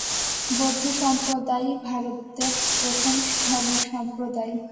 বৌদ্ধ সম্প্রদায়ই ভারতের প্রথম ধর্মসম্প্রদায়।